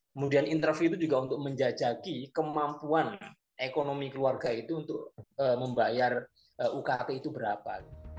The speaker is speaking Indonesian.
kemudian interview itu juga untuk menjajaki kemampuan ekonomi keluarga itu untuk membayar ukt itu berapa